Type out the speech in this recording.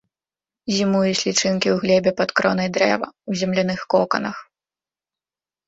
Зімуюць лічынкі ў глебе пад кронай дрэва, у земляных коканах.